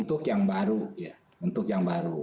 untuk yang baru